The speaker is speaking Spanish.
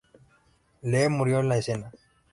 Lee murió en la escena.